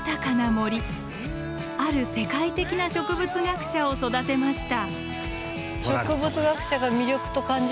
ある世界的な植物学者を育てました。